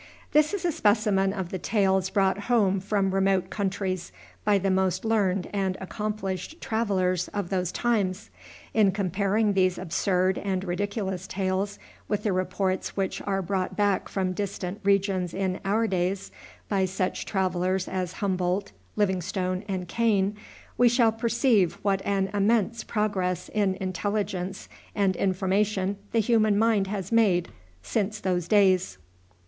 This is a specimen of the tales brought home from remote countries by the most learned and accomplished travelers of those times. In comparing these absurd and ridiculous tales with the reports which are brought back from distant regions in our days by such travelers as Humboldt, Livingstone, and Kane, we shall perceive what an immense progress in intelligence and information the human mind has made since those days.